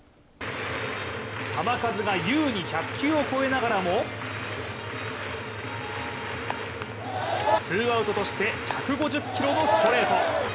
球数が優に１００球を超えながらもツーアウトとして１５０キロのストレート。